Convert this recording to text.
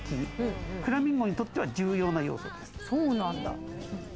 フラミンゴにとっては重要な要素。